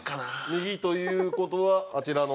右という事はあちらの。